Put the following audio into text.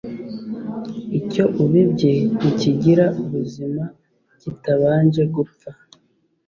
icyo ubibye ntikigira ubuzima kitabanje gupfa